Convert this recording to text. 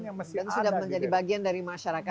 dan sudah menjadi bagian dari masyarakat kita